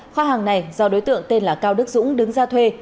kho hàng này do đối tượng tên là cao đức dũng đứng ra thuê